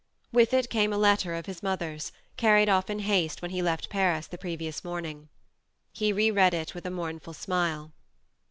With it came a letter of his mother's, carried off in haste when he left Paris the previous morning. He re read it with a mournful smile.